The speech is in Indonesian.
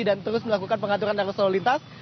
dan terus melakukan pengaturan arus lalu lintas